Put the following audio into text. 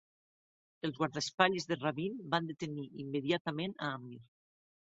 Els guardaespatlles de Rabin van detenir immediatament a Amir.